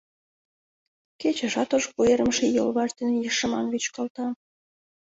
Кечыжат ош куэрым Ший йолваж ден шыман вӱчкалта.